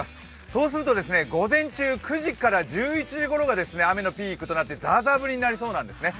そうすると、午前中９時から１１時ごろがピークとなってザーザー降りになりそうなんですね。